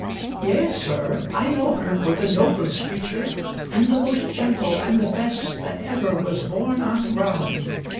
"Yea, Sir, I know her for the noblest creature, and the most gentle, and the best that ever was born on ground.